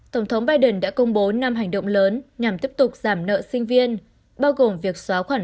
tổng thống biden đã công bố năm hành động lớn nhằm tiếp tục giảm nợ sinh viên bao gồm việc xóa khoản